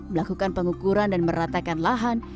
melakukan pengukuran dan meratakan lahan